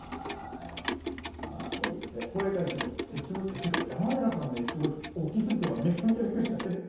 っていうか山寺さんのエッジボイス大きすぎて今めちゃめちゃびっくりしたんですけど。